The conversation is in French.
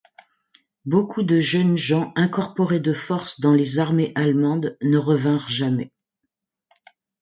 Beaucoup de jeunes gens incorporés de force dans les armées allemandes ne revinrent jamais.